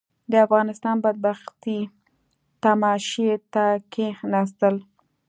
د افغانستان بدبختي تماشې ته کښېناستل.